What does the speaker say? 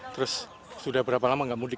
terus sudah berapa lama nggak mudik